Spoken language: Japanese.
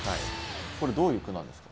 これどういう句なんですか？